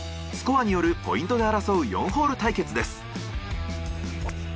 スコアによるポイントで争う４ホール対決です。